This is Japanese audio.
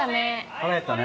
腹減ったね。